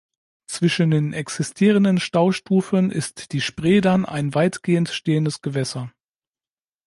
Zwischen den existierenden Staustufen ist die Spree dann ein weitgehend stehendes Gewässer.